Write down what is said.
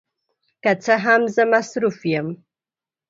که څه هم، زه مصروف یم.